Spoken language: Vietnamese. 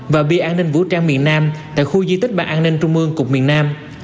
và bia an ninh vũ trang miền nam tại khu di tích ban an ninh trung mương cục miền nam